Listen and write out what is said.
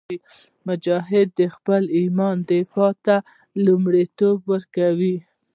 مجاهد د خپل ایمان دفاع ته لومړیتوب ورکوي.